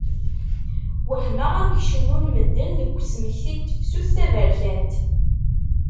Wehmeɣ amek cennun medden deg usmekti n tefsut taberkant!